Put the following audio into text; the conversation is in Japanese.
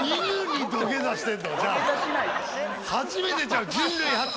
初めてちゃう？